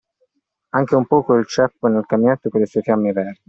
Anche un poco il ceppo nel caminetto con le sue fiamme verdi.